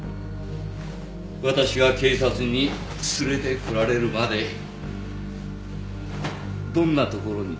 私が警察に連れてこられるまでどんなところに立ち寄ったか